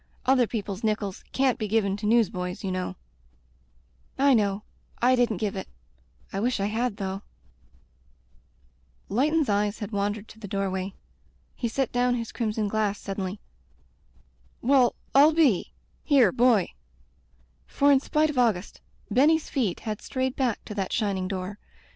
Other people's nickels can't be given to newsboys, you know." "I know — I didn't give it. I wish I had, though." Digitized by LjOOQ IC Interventions Leighton*s eyes had wandered to the door way. He set down his crimson glass sud denly. "Well, rU be— Here, boy." For in spite of Auguste, Benny's feet had strayed back to that shining door.